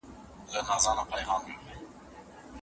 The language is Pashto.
هغوی به په راتلونکي کي بدلونونه ومني.